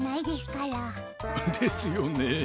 ですよね。